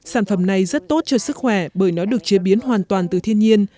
sản phẩm này rất tốt cho sức khỏe bởi nó được chế biến hoàn toàn từ thiên nhiên